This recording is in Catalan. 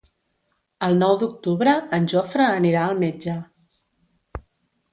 El nou d'octubre en Jofre anirà al metge.